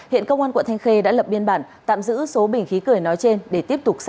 hiện công an quận thanh khê đã lập biên bản tạm giữ số bình khí cười nói trên để tiếp tục xác minh